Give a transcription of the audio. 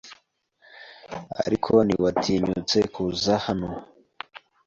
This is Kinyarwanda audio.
Ariko ntiwatinyutse kuza hano